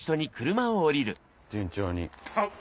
順調に。